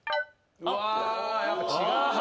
うわやっぱ違う。